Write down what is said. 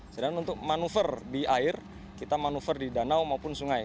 sedangkan untuk manuver di air kita manuver di danau maupun sungai